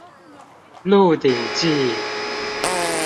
鹿鼎記